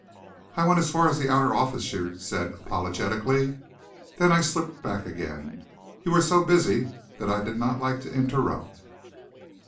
"I went as far as the outer office," she said apologetically, "and then I slipped back again. You were so busy that I did not like to interrupt."